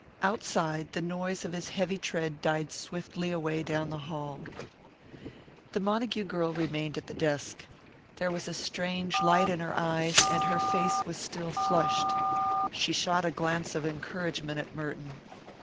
Outside, the noise of his heavy tread died swiftly away down the hall. The Montague girl remained at the desk. There was a strange light in her eyes and her face was still flushed. She shot a glance of encouragement at Merton.